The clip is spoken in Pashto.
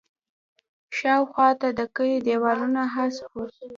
شاوخوا ته د کلي دیوالونه هسک وو.